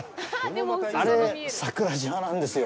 あれ、桜島なんですよ。